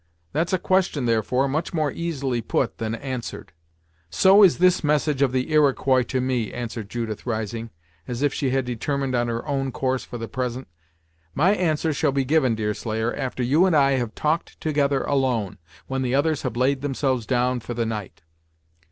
That's a question, therefore, much more easily put than answered." "So is this message of the Iroquois to me," answered Judith rising, as if she had determined on her own course for the present. "My answer shall be given, Deerslayer, after you and I have talked together alone, when the others have laid themselves down for the night."